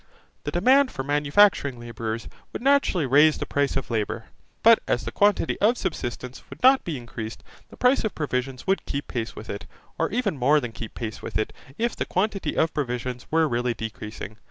The demand for manufacturing labourers would naturally raise the price of labour, but as the quantity of subsistence would not be increased, the price of provisions would keep pace with it, or even more than keep pace with it if the quantity of provisions were really decreasing.